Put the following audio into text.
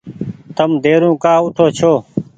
تم ديرو ڪآ اوٺو ڇو ۔